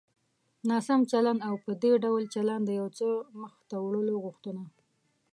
ناسم چلند او په دې ډول چلند د يو څه مخته وړلو غوښتنه.